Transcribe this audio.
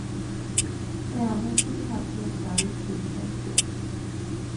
তাই আমার চোখে আপনি এক দারুণ দৃষ্টান্ত।